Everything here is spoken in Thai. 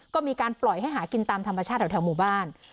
ก็มีการปล่อยให้หากินตามธรรมชาติแถวหมู่บ้าน